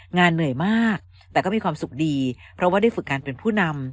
เหนื่อยมากแต่ก็มีความสุขดีเพราะว่าได้ฝึกการเป็นผู้นำ